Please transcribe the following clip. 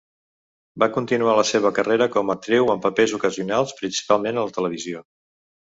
Va continuar la seva carrera com a actriu en papers ocasionals, principalment a la televisió.